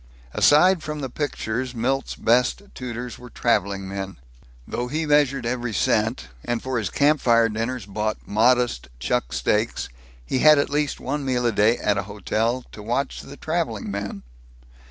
Aside from the pictures Milt's best tutors were traveling men. Though he measured every cent, and for his campfire dinners bought modest chuck steaks, he had at least one meal a day at a hotel, to watch the traveling men.